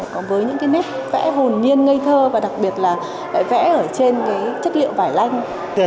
còn với những cái nét vẽ hồn nhiên ngây thơ và đặc biệt là lại vẽ ở trên cái chất liệu vải lanh